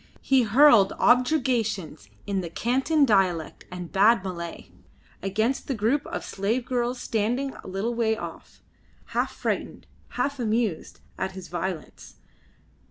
He hurled objurgations, in the Canton dialect and bad Malay, against the group of slave girls standing a little way off, half frightened, half amused, at his violence.